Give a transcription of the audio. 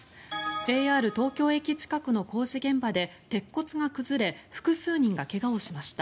ＪＲ東京駅近くの工事現場で鉄骨が崩れ複数人が怪我をしました。